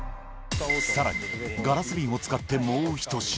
さらにガラス瓶を使って、もう一品。